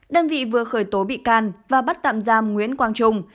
đơn vị vừa khởi tố bị can và bắt tạm giam nguyễn quang trung